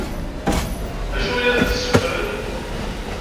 D acu i as-d-ssutren?